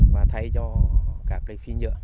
và thay cho các cái phi nhựa